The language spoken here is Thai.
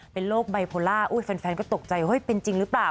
เป็นโรคไบโพล่าแฟนก็ตกใจเฮ้ยเป็นจริงหรือเปล่า